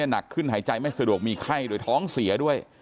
หนักขึ้นหายใจไม่สะดวกมีไข้โดยท้องเสียด้วย